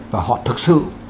và họ thực sự